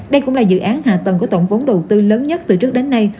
đây cũng là dự án hạ tầng có tổng vốn đầu tư lớn nhất từ trước đến nay